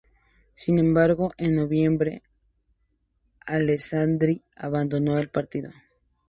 Sin embargo, en noviembre Alessandri abandonó el partido.